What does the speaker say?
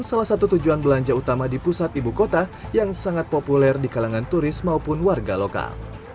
salah satu tujuan belanja utama di pusat ibu kota yang sangat populer di kalangan turis maupun warga lokal